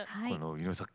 井上さん